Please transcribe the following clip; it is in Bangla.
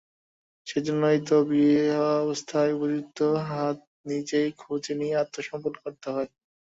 সেইজন্যেই তো বিরহাবস্থায় উপযুক্ত হাত নিজেই খুঁজে নিয়ে আত্মসমর্পণ করতে হয়।